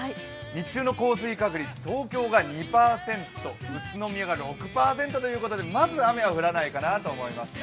日中の降水確率、東京が２％、宇都宮が６％ということでまず雨は降らないかなという感じです。